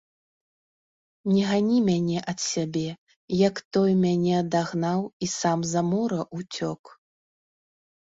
Не гані мяне ад сябе, як той мяне адагнаў і сам за мора ўцёк.